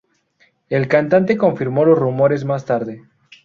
El cantante confirmó los rumores más tarde.